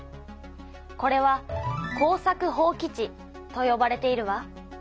これは耕作放棄地とよばれているわ。